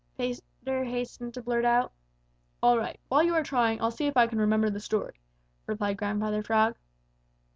Peter hastened to blurt out. "All right. While you are trying, I'll see if I can remember the story," replied Grandfather Frog.